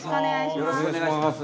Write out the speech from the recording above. よろしくお願いします。